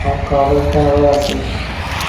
او کابل ته ورسېد.